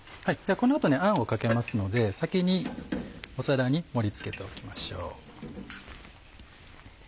この後にあんをかけますので先に皿に盛り付けておきましょう。